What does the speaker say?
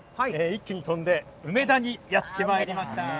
一気に飛んで梅田にやって参りました。